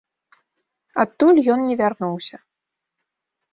Адтуль ён не вярнуўся.